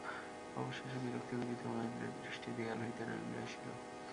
অবশেষে বিরক্তিপীড়িত মহেন্দ্রের দৃষ্টি দেয়াল হইতে নামিয়া আসিল।